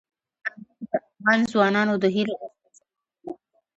انګور د افغان ځوانانو د هیلو استازیتوب کوي.